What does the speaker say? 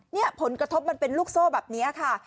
นี่ผลกระทบมันเป็นลูกโซ่แบบนี้ค่ะ